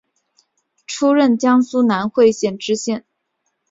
出任江苏南汇县知县。